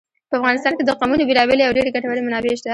په افغانستان کې د قومونه بېلابېلې او ډېرې ګټورې منابع شته.